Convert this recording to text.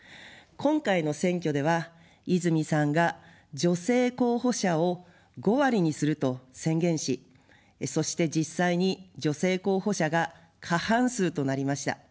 今回の選挙では泉さんが女性候補者を５割にすると宣言し、そして実際に女性候補者が過半数となりました。